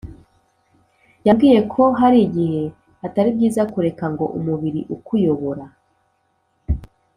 yambwiye ko harigihe ataribyiza kureka ngo umubiri ukuyobora